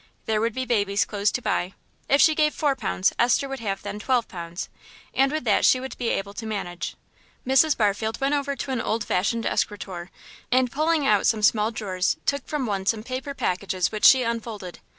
There would be baby's clothes to buy.... If she gave four pounds Esther would have then twelve pounds, and with that she would be able to manage. Mrs. Barfield went over to an old fashioned escritoire, and, pulling out some small drawers, took from one some paper packages which she unfolded.